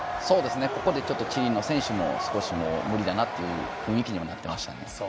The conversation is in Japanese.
ここで、チリの選手も少し、無理だなって雰囲気にはなってましたね。